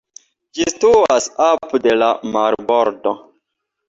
Ĝi situas apud la marbordo.